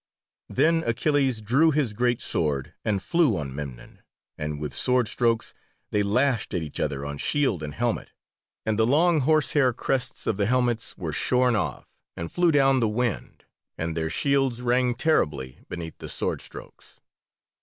Then Achilles drew his great sword, and flew on Memnon, and with sword strokes they lashed at each other on shield and helmet, and the long horsehair crests of the helmets were shorn off, and flew down the wind, and their shields rang terribly beneath the sword strokes.